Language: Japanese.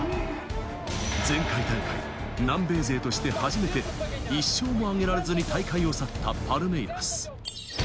前回大会、南米勢として初めて１勝もあげられずに大会を去ったパルメイラス。